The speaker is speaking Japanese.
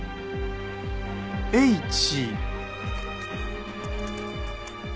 Ｈ。